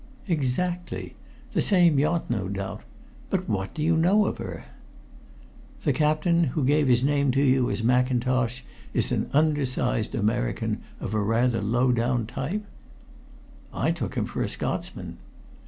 "Exactly the same yacht, no doubt! But what do you know of her?" "The captain, who gave his name to you as Mackintosh, is an undersized American of a rather low down type?" "I took him for a Scotsman."